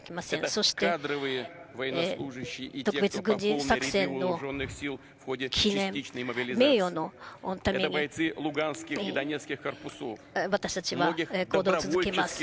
そして特別軍事作戦の記念、名誉のために、私たちは行動を続けます。